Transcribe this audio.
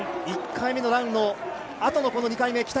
１回目のランのあとの２回目。